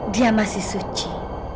dia masih suci